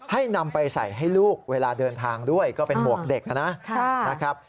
ให้นำไปใส่ให้ลูกเวลาเดินทางด้วยก็เป็นหมวกเด็กนะครับ